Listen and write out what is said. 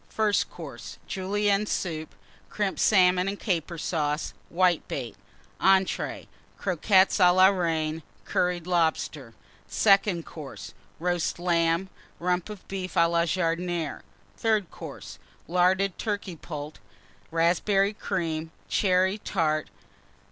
FIRST COURSE. Julienne Soup. Crimped Salmon and Caper Sauce. Whitebait. ENTREES. Croquettes à la Reine. Curried Lobster. SECOND COURSE. Roast Lamb. Rump of Beef à la Jardinière. THIRD COURSE. Larded Turkey Poult. Raspberry Cream. Cherry Tart.